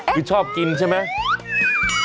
คือชอบกินใช่ไหม